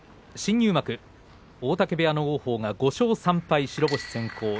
新入幕大嶽部屋の王鵬が５勝３敗白星先行。